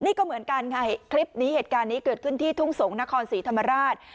นี่ก็เหมือนกันค่ะคลิปนี้เหตุการณ์นี้เกิดขึ้นที่ทุ่งสงศ์นครศรีธรรมราช